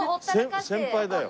せ先輩だよ。